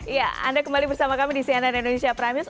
ya anda kembali bersama kami di cnn indonesia prime news